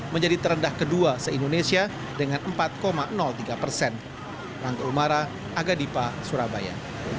menjadi terendah kedua se indonesia dengan empat tiga persen rangka umara agadipa surabaya